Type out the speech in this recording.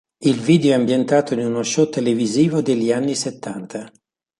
Il video è ambientato in uno show televisivo degli anni settanta.